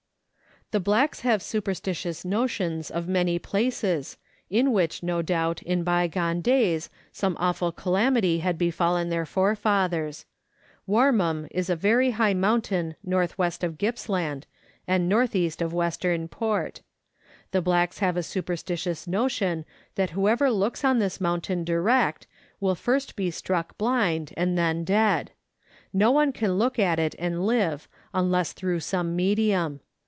The blacks have superstitious notions of many places, in which, no doubt, in bygone days some awful calamity had befallen their fore fathers. Warmum is a very high mountain N.W. of Gippsland and N.E. of Western Port. The blacks have a superstitious notion that whoever looks on this mountain direct will first be struck blind, and then dead ; no one can look at it and live unless through some medium.